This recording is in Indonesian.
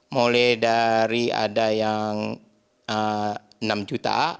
mulai dari ada yang enam juta